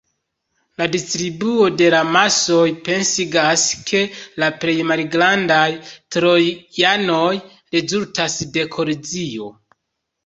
La distribuo de la masoj pensigas, ke la plej malgrandaj trojanoj rezultas de kolizio.